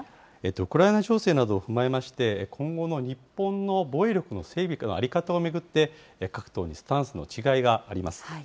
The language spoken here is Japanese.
ウクライナ情勢などを踏まえまして、今後の日本の防衛力の整備の在り方を巡って、各党にスタンスの違いがあります。